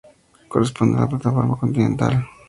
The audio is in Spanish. Corresponde a la plataforma continental.